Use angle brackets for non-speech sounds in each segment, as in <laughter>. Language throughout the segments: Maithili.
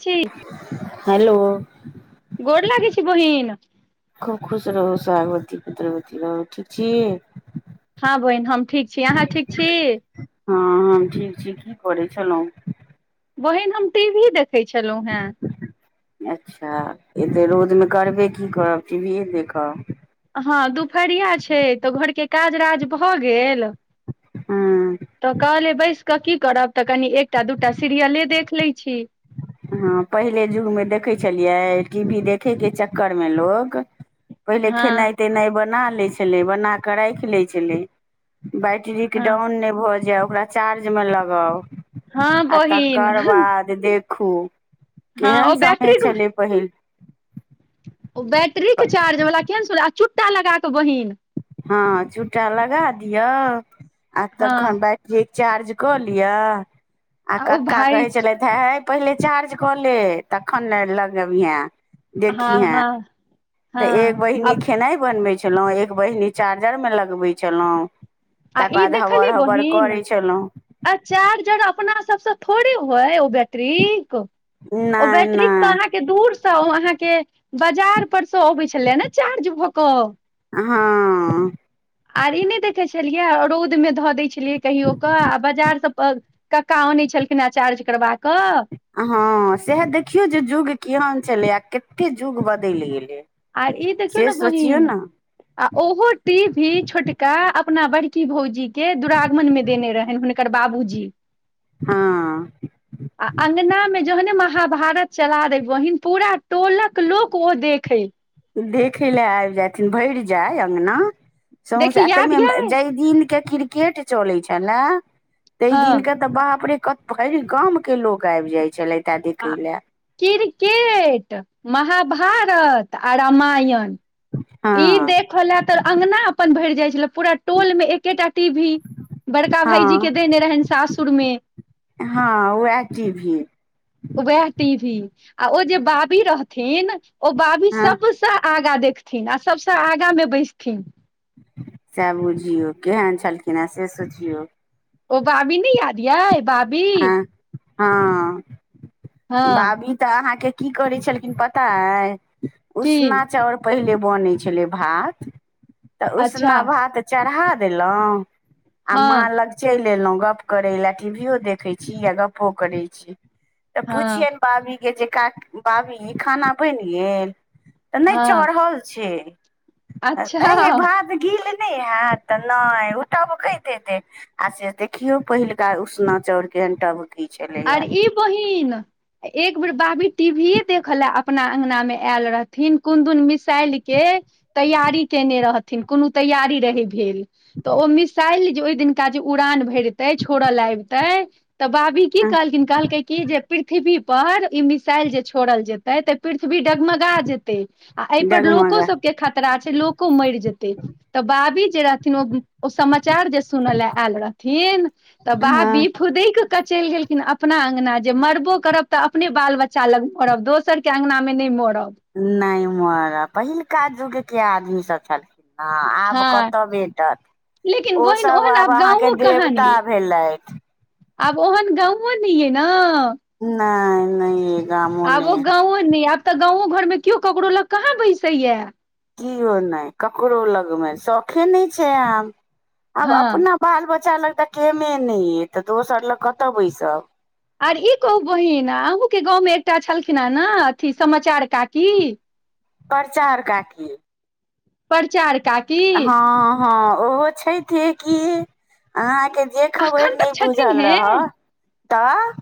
छी हेलो गोर लागै छी बहिन खूब खुश रहू सागवती पुत्रवती रहू ठीक छी हँ बहिन हम ठीक छी अहाँ ठीक छी हँ हम ठीक छी की करै छलहुँ बहिन हम टी वी देखैत छलहुँ हेँ अच्छा ए तऽ रौदमे करबे की करब टी वी ए देखब हँ दुपहरिया छै तऽ घरके काज राज भऽ गेल हँ तऽ कहलियै बैस कऽ की करब तऽ कनि एकटा दूटा सीरियले देख लैत छी हँ पहिले युगमे देखै छलियै टी वी देखे के चक्कर मे लोग पहिले हँ खेनाइ तेनाइ बना लै छलै बना कऽ राखि लैत छलै बैटरीके हँ डाउन नहि भऽ जाय ओकरा चार्जमे लगाउ हँ आ बहिन तकर बाद देखू हँ ओ केहन समय बैटरी छलै पहिल ओ बैटरीक के चार्ज वला केहन सुन चुट्टा लगा कऽ बहिन हँ चुटा लगा दियौ आ हँ तखन बैटरिक चार्ज कऽ लिअ आ ओ कक्का भाय कहैत छलथि हे पहिले चार्ज कऽ ले तखन ने लगेबिहें हँ हँ तऽ हँ एक बहिनी आ खेनाइ बनबै छलहुँ, एक बहिनी चार्जरमे लगबै छलहुँ आ तकर ई बाद देखली हबड़-हबड़ बहिन करै छलहुँ आ चार्जर अपना सबसँ थोड़े हइ ओ बैटरीक ओ नहि बैटरिक तऽ नहि अहाँके के दूरसे अहाँके बाजार पर से अबै छलै ने चार्ज भऽ कऽ हँ आर ई नहि देखै छलियै रौदमे धऽ दै छलियै कहियो कऽ आ बाजारसँ कक्का आनैत छलखिन चार्ज करबा कऽ हँ सएह देखियौ जे जुग केहन छलै आ कते जुग बदलि गेलै आर ई देखियौ से ने सोचियौ बहिन ने आ ओहो टीभी छोटका अपना बड़की भौजीके दुरागमनमे देने रहनि हुनक कर बाबूजी हँ आ अंगनामे जहने महाभारत चला दै बहिन पूरा टोलक लोक ओ देखै देखै लए आबि जायथिन भरि जाय अँगना सौंसे, देखी याद ये ताहिमे जाहि दिनके क्रिकेट चलै छलए ताहि हँ दिनके तऽ बाप रे भरि गामके लोग आबि जाय छलै तऽ आ देखै लए क्रिकेट, महाभारत आ रामायण ई हँ देखऽ लेल तऽ अंगना अपन भरि जाइ छलै पूरा टोलमे एकेटा टीभी बड़का भाईजीके हँ देने रहनि सासुरमे हँ, वैह टीभी वएह टीभी आ ओ जे बाबी रहथिन ओ बाबी हँ सब सँ आगाँ देखथिन आ सबसँ आगामे बैसथिन सएह बुझियौ केहन छलखिनहेँ से सोचियौ ओ बाबी नइ याद यै बाबी ऐं, हँ हँ बाबी तऽ अहाँके की करै छलखिन पता ऐहि की उसना चाउर पहिले बनै छलै भात तऽ अच्छा उसना भात चढ़ा देलहुॅं आ माँ हँ लग चलि एलहुॅं गप करै लए टीभीयो देखैत छी आ गप्पो करै छी तऽ हँ पूछियनि बाबी के जे <unintelligible> बाबी खाना बनि गेल? तऽ नहि हँ चढ़ल छै। ऐं अच्छा यै भात गील नहि हत तऽ नहि उ टभकैत हेतै आ से देखियौ पहिलका उसना चाउर केहेन टभकै आर ई बहिन एक बेेर बाबी टीवीए देखऽ लए अपना अंगनामे आयल रहथिन कोन दुन मिसाइलके तैयारी केने रहथिन कोनो तैयारी रहै भेल तऽ ओ मिसाइल जे ओहि दिनका जे उड़ान भरतै छोड़ऽ लेल आबितै तऽ की कहलखिन कहलकै की जे पृथ्वी पर ई मिसाइल जे छोड़ल जेते तऽ पृथ्वी डगमगा जेतै आ एहि पर लोको डगमगा सब के खतरा छै लोको मरि जेतै तऽ बाबी जे रहथिन ओ ओ समाचार जे सुनय ले आयल रहथिन तऽ हँ। बाबी फुदकि कऽ चलि गेलखिन अपना अंगना जे मरबो करब तऽ अपने बाल-बच्चा लग मरब दोसरके अंगनामे नहि मरब! नहि मरब पहिलका जुगके आदमी सभ छलखिन। हँ, आब हँ कतऽ भेटत? लेकिन ओ बहिन सब ओहन आब अहाँके गाँवो कहाँ ने देवता यै भेलथि आब ओहन गाँओ नैयै न नहि नहि अइ आब ओ गांओ नहि आब तऽ गांओ घरमे केओ ककरो लग कहाँ बैसैया कियो नहि ककरो लगमे शौखे नहि छै आब आब हँ अपना बाल बच्चा लग तऽ टेमे नै ये तऽ दोसर लग कतऽ बैसब आर ई कहू बहिन अहूँके गाँवमें एकटा छलखिन हें न अथी समाचार काकी परचार काकी परचार का हँ हँ ओहो छैइथे की अहाँके जे खबरि अखन नहि तक छथिन बुझल हे रहय तऽ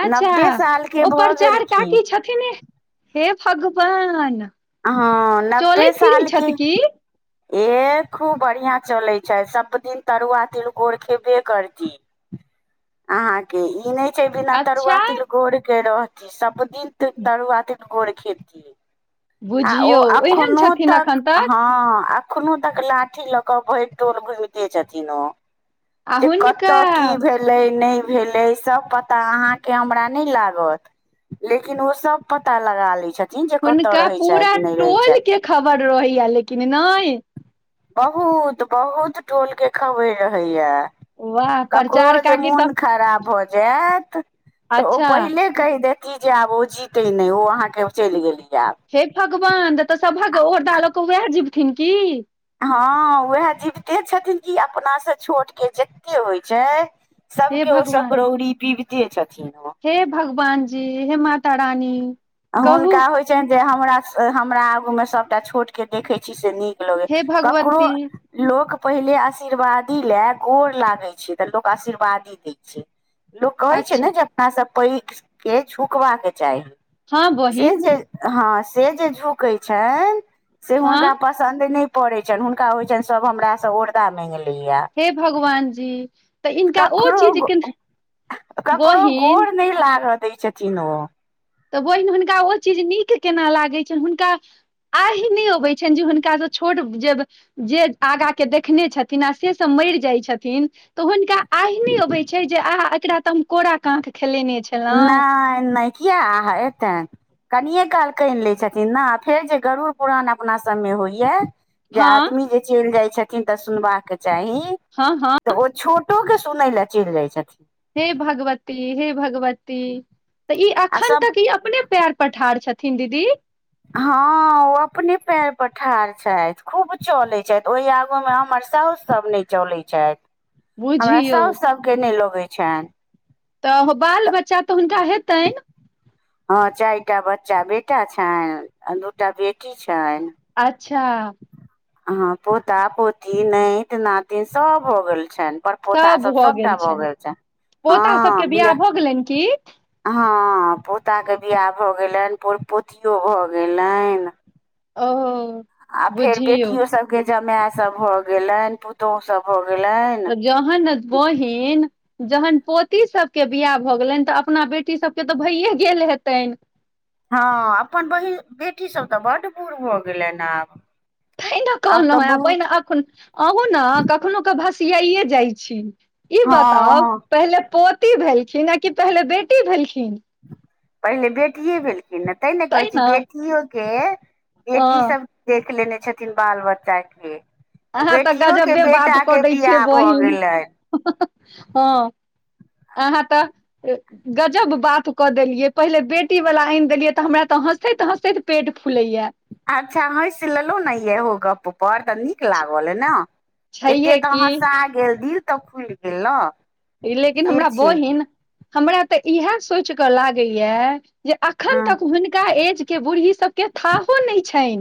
अच्छा नब्बे सालके ओ भऽ प्रचार गेलखिन काकी छथिने हे भगवान हँ चलै नब्बे फिरै सालके छथि की ए खूब बढ़िया चलै छै सब दिन तरुआ तिलकोर खेबे करती अहाँ के ई नहि छै बिना अच्छा तरुआ तिलकोर के रहती सब दिन तरुआ तिल कोर खेती आ ओ बुझियौ एहन अखनो छथिन तक एखन हँ एखनो तक लाठी लऽ कऽ भरि टोल घुमिते छथिन ओ आ जे हुनका कतऽ की भेल भेलै नहि भेलै सब पता अहाँके हमरा नहि लागत लेकिन ओ सब पता लगा लै छथिन जे कतय हुनका रहै पूरा छथि नहि रहै टोल छथि के खबर रहैया लेकिन नहि बहुत बहुत टोल के खबैर रहैया वाह ककरो प्रचार जे काकी मोन तऽ खराब भऽ जायत तऽ ओ अच्छा पहिले कहि देती जे आब ओ जीतै नहि ओ अहाँके चलि गेलि आब हे भगवान तऽ सभक ओरदा लोकऽ उहै जिबथिन की हँ उएह जीबते छथिन कि अपनासँ छोटके जेत्ते होइत छै हे सबके ओ भगवान सकरौरी पीबिते छथिन ओ हे भगवानजी हे माता रानी कहू हुनका होइ छनि जे हमरा-हमरा आगू मे सभटा छोट के देखैत छी से नीक लगै हे ककरो भगवती लोक पहिले आशीर्वादी ले गोर लागे छै तऽ लोक आशीर्वादी दै छै लोक कहै छै अच्छा ने जे अपना सब पैघ के झुकबाक चाही हँ से बहिन जे हँ से जे झुकै छनि से हँ हुनका प सन्द नहि परै छैन हुनका होइ छैन सभ हमरा से ओरदा मेंगलेत हे भगवान जी तऽ इनका ओ चीज ककरो केना ककरो गोर नहि लाऽग दै छथिन ओ तऽ बहिन हुनका ओ चीज नीक केना लागैत छनि हुनका आहि नहि अबैत छनि जे हुनकासँ छोट जेब जे आगा के देखने छथिन आ से सब मरि जाइत छथिन तऽ हुनका आहि नहि अबैत छै जे आह एकरा तऽ हम कोरा काँक खेलेने छी नहि नहि कीया आह एतैन कनिये काल कनि लै छथिन ने फेर जे गरुड़ पुराण अपना सभमे होइए जे हँ आदमी जे चलि जाई छथिन तऽ सुनबा के चाही हँ हँ तऽ ओ छोटो के सुनय लए चलि जाइ छथिन हे भगवती हे भगवती तऽ ई आ अखन सभ तक ई अपने पेर पर ठार छथिन दीदी हँ ओ अपने पैर पर ठाढ़ छथि खूब चलै छथि ओहि आगू में हमर साउस सब नै चलै छथि हमरा बुझियौ साउस सभ के नहि लगै छनि तऽ बाल बच्चा तऽ हुनका हेतनि हँ चैटा बच्चा बेटा छनि आ दूटा बेटी छनि अच्छा अह पोता पोती नैत नातिन सब भ गेल छनि परपोता सब सबटा भग गेल छै हँ बिया गेलन की हँ पोताके बियाह भऽ गेलनि पर पोतियो भऽ गेलनि ओ आ फेर बुझियौ बेटियो सब के जमाय सब भ गेलेन पुतोह सब भ गेलेन तऽ जहन बोहीन <unintelligible> जहन पोती सभके बियाह भऽ गेलनि तऽ अपना बेटी सभके तऽ भइए गेल हेतनि हँ अपन बहि बेटीसभ तऽ बड बूढ़ भऽ गेलनि आब तहिना कहलहु तऽ हँ आब बहुत पहिना एखन अहँ ने कखनो के भसियाइेए जाइ छी <unintelligible> ई हँ बताउ हँ पहिले पोती भेलखिन आ कि पहिले बेटी भेलखिन पहिले बेटिए भेलखिन ने ते ने कहै छी बेटियोके हँ बेटीसभ देख लेने छथिन बाल बच्चा के ओ अहाँ तऽ बेटियो के गजबे बात बेटा कऽ के दै छियै बियाह भऽ बहिन गेलनि हँ अहाँ तऽ गजब बात कऽ देलियै पहिले बेटी वा ला आनि देलियै तऽ हमरा तऽ हँसैत हँसैत पेट फूलेया अच्छा हँस लेलहुँ ने यहो गप्प पर तऽ नीक लागल ह ने एते छैहे तऽ की हँसा गेल दिल तऽ खुलि गेल ने ई लेकिन से हमरा छै बहिन हमरा तऽ इएह सोइच कऽ लागैया जे अखन हँ तक हुनका एज के बूढ़ी सब के थाहो नहि छनि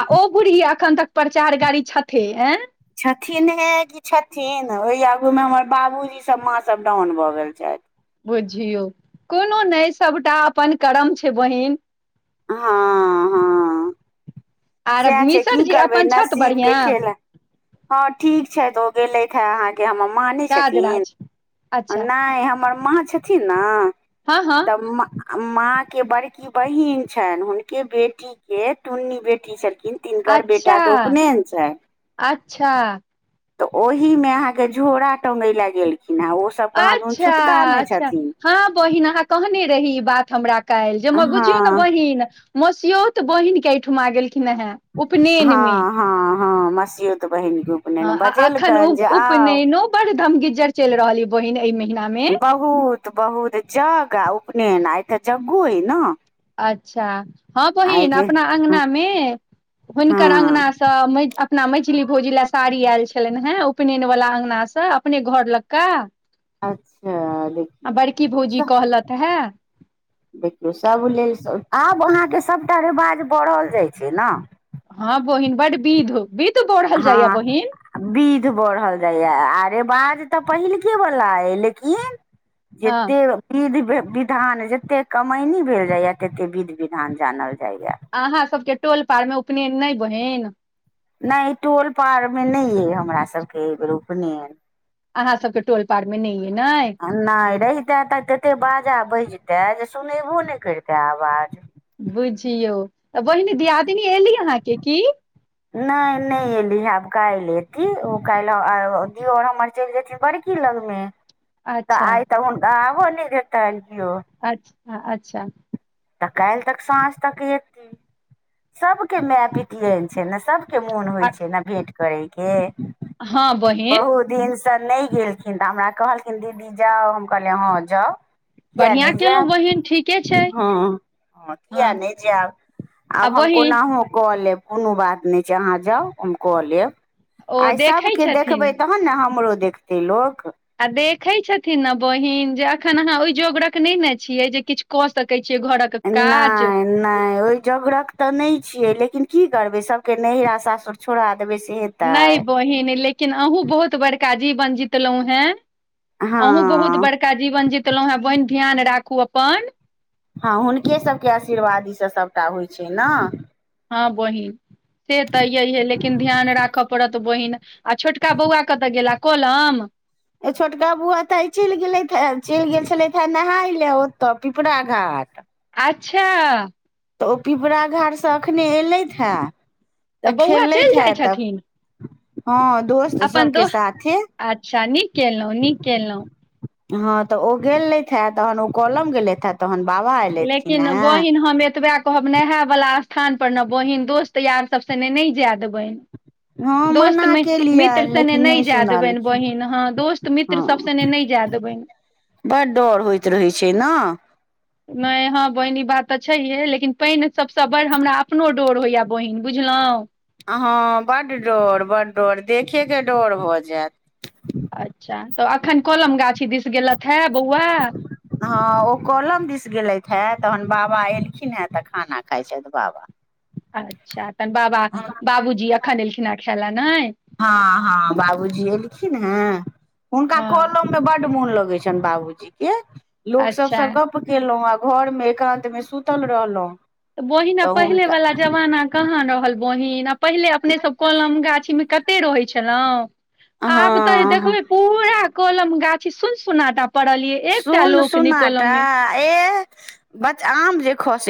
आ ओ बढ़ी अखन तक प्रचार गाड़ी छथि ए छथिन हे कि छथिन ओहि आगूमे हमर बाबूजी सब माँसभ डाउन भऽ गेल छथि बुझियौ कोनो नहि सभटा अपन कर्म छै बहिन हँ हँ आर सएह छै मिसर की जी करबै अपन छथि नसीब के बढ़िआँ खेला हँ ठीक छैथ ऽ ओ गेलैथ हे अहाँके हमर मा ने काज छथिन राज अच्छा नाय हमर माँ छथिन ने हँ हँ तऽ माँ के बड़की बहिन छैन‌ हुनके बेटी के टुन्नी बेटी छलखिन तिनकर बेटा अच्छा के उपनयन छैन अच्छा तऽ ओहिमे अहाँके झोरा टंगय लए गेलखिन हेँ ओसभ कहादोन अच्छा छुतकामे अच्छा छथिन हँ बहिन अहाँ कहने रही ई बात हमरा कैल जे हम हँ बुझियौ ने बहिन मस्योत बहिन के एहिठमा आ गेलखिन हेँ हँ उपनयनमे हँ हँ मसीऔत बहिने हँ आ एखन उ उपनयनो बड़ धमगिज्जर चलि रहल य बहिन एहि महिना मे बहुत बहुत जगह आ उपनयन आय तऽ जग्गो हइ ने अच्छा हँ बहिन अपना अंगना मे हुनकर हँ अंगना तऽ अपना मछली भौजी लए साड़ी आयल छलनि हेँ उपनयन वालला अंगनासँ अपने घर लऽ कऽ अच्छा आ देखियौ बड़ की भौजी सभ कहलतऽ हँ देखियौ सभ लेल आब अहाँके सभटा रेवाज बढ़ल जाइ छै ने हँ बोहिन बड बिध हो बिध हँ विध बढ़ल जाइया आ रेवाज तऽ पहिलके वला अय लेकिन हँ जेतेक विध विधान जते कमैनी भेल जाया तते विध विधान जानल जैय अहाँ सबके टोल पार मे उपनयन नहि बहिन नहि टोल पारमे नहि अइ हमरा सभकेर‌अय बेर उपनयन अहाँ सबके टोल पार मे नहि ये ने नहि रहिते त कते बाजा बजते जे सुनेबो नहि करितै आवाज बुझियौ तऽ बहिनी दियादिनी एली अहाँके की <inaudible> नहि नइ एली हँ आब काल्हि एती ओ काल्हि दियोर हमर चलि जेती बड़ी की लगमे तऽ अच्छा आइ तऽ हुनका आबो नइ देतैन कियो अच्छा अच्छा तऽ काल्हि तक साँझ तक एती सबके माय पी तीयाइन छै न सभके मोन होइ आ छै नऽ भेट करय के हँ बहिन दिनसँ नहि गेलखिन तऽ हमरा कहलखिन दीदी जाउ हम कहलियै हँ जाउ किया बढ़िआँ नहि कयेलहुँ जायब बहिन ठीक हँ हँ किया नहि जायब आ आब हम बहिन कोनाहु कऽ लेब कोनो बात नहि छै अहाँ जाउ हम कऽ लेब ओ आइ देखै सबके छथिन देखबै तऽ तखन न हमरो देखतै लोक आ देखे छथिन ने बहिन जे अखन अहाँ ओहि जोंगटक नइ न छियै जे किछु कऽ सकैत छियै घोरक ए नाइ नहि ओहि जोगरक तऽ नहि छियै लेकिन की करबै सबके नहिरा सासुर छोड़ा देबै सेह नहि बहिन लेकिन अहूँ बहुत बड़का जीवन जीतलहुँ हेँ हँ अहुँ बहुत बड़का जीवन जीतलहुँ हेँ बहिन ध्यान राखू अपन हँ हुनके सभके आशीर्वादीसँ सभटा होइ छै न हँ बहिन से तऽ य है लेकिन ध्यान राखऽ पड़त बहिन आ छोटका बौआ कतऽ गेला कलम ए छोटका बौआ तऽ चलि गेलेथ हँ चलि गेल छले थे नहााय ले ओतऽ पिपरा घाट अच्छा तऽ ओ पिपरा घाटसँ एखने ऐयलथि हे तऽ बौआ चलि खेलैथ हे जाइ तऽ छथिन हँ दोस्त अपन सबके दोस्त साथे अच्छा नीक कलहुँ नीक केलहुँ हँ तऽ ओ गेले हे तहन ओ कॉलम गेलैथ हैँ तहन बाबा एयलथिन लेकिन हेँ बहिन हम एतबा कहब नहाय वला स्थान पर न बहिन दोस्त यार सभ सने नहि जाय देबैन हँ मना दोस्तमे मित्र केलियनि सने लेकिन नहि जाय देबनि सुनलखिन बहिन हँ दोस्त मित्र हँ सब सने नहि जाय देबैन बड डर होइत रहैत छै न नहि हँ बहिन ई बात तऽ छैहे लेकिन पइन सबसँ बड़ हमरा अपनो डोर होइया बहिन बुझलहुँ हँ बड डर बड डर देखेके डर भऽ जायत अच्छा तऽ एखन कलम गाछी दिस गेलैथ हे बौआ हँ ओ कोलम दिस गेलथि हे तहन बाबा एलखिन हे तऽ खाना खाइत छथि बाबा अच्छा तन बाबा बाबूजी अखन एलखिन हँ खाई लऽ नहि हँ हँ बाबूजी एलखिन हे हुनका हँ कलम मे बड मोन लगै छनि बाबूजी के लोक सब अच्छा सब गप केलहुँ आ घर मे एकंत मे सुतल रहलहुँं तऽ बहिन आ पहिलेवला जमाना कहाँ रहल बहिन आ पहिले अपनेसभ कलम गाछीमे कत रहै छलहु आब तऽ हँ देखबै पूरा कलम गाछी सुन सुनाटा पड़ल ये एकटा सुन लोक नहि कलम सुनाटा मे ए बच आम जे खसय